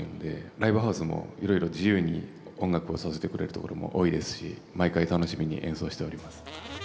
ライブハウスもいろいろ自由に音楽をさせてくれるところも多いですし毎回、楽しみに演奏しております。